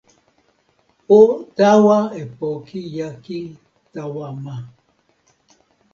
o tawa e poki jaki tawa ma.